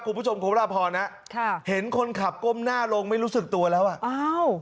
คุณผู้ชมคุณพระพรนะค่ะเห็นคนขับก้มหน้าลงไม่รู้สึกตัวแล้วอ่ะอ้าว